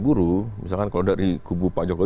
buru misalkan kalau dari kubu pak jokowi